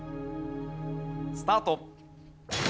スタート。